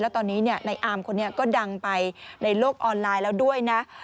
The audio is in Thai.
แล้วตอนนี้ในอาร์มคนนี้ก็ดังไปในโลกออนไลน์แล้วด้วยนะ